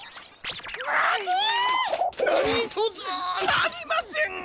なりません！